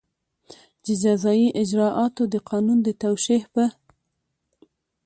د جزایي اجراآتو د قانون د توشېح په